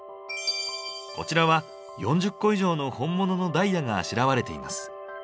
こちらは４０個以上の本物のダイヤがあしらわれています。